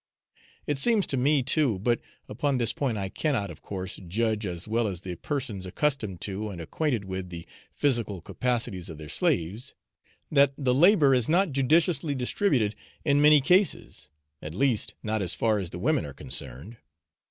It seems to me too but upon this point I cannot, of course, judge as well as the persons accustomed to and acquainted with the physical capacities of their slaves that the labour is not judiciously distributed in many cases; at least, not as far as the women are concerned.